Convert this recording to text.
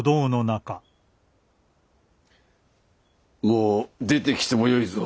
もう出てきてもよいぞ。